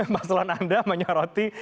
masalah anda menyoroti